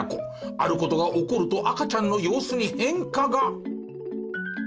ある事が起こると赤ちゃんの様子に変化が。